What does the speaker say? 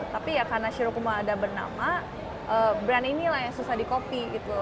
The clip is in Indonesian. tapi ya karena shirokuma ada bernama brand ini lah yang susah di copy gitu